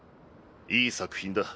いい作品だ。